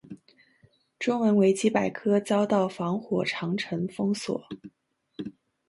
中文维基百科遭到防火长城封锁。